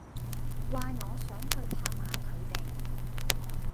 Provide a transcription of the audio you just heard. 話我想去探吓佢哋